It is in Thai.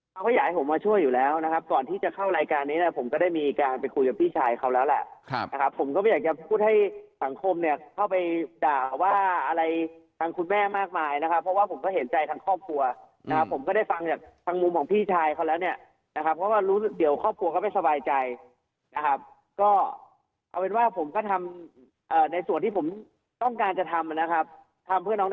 เขาก็อยากให้ผมมาช่วยอยู่แล้วนะครับก่อนที่จะเข้ารายการนี้นะผมก็ได้มีการไปคุยกับพี่ชายเขาแล้วแหละครับผมก็ไม่อยากจะพูดให้สังคมเนี่ยเข้าไปด่าว่าอะไรทางคุณแม่มากมายนะครับเพราะว่าผมก็เห็นใจทางครอบครัวนะครับผมก็ได้ฟังจากทางมุมของพี่ชายเขาแล้วเนี่ยนะครับเพราะว่ารู้สึกเดียวครอบครัวก็ไม่สบายใจนะครับก็เอาเป็น